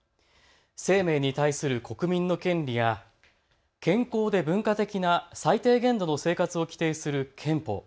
生命に対する国民の権利や健康で文化的な最低限度の生活を規定する憲法。